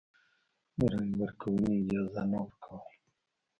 د رایې ورکونې اجازه نه ورکوله.